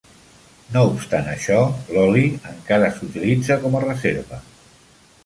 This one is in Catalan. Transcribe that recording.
No obstant això, l'oli encara s'utilitza com a reserva.